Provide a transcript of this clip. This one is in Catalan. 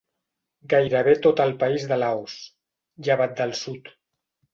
Gairebé tot el país de Laos, llevat del sud.